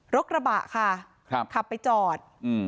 รถกระบะค่ะครับขับไปจอดอืม